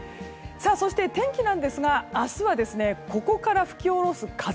そして天気ですが明日は、ここから吹きおろす風